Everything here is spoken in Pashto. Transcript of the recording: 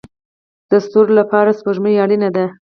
د ستورو لپاره سپوږمۍ اړین ده